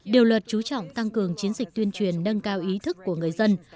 điều luật chú trọng tăng cường chiến dịch tuyên truyền nâng cao ý thức của người dân